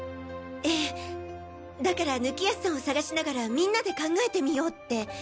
ええだから貫康さんを捜しながらみんなで考えてみようって。